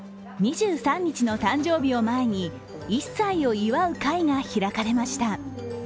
２３日の誕生日を前に１歳を祝う会が開かれました。